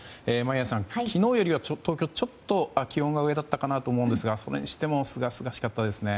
眞家さん、昨日よりは東京、ちょっと気温が上だったかなと思いますがそれにしてもすがすがしかったですね。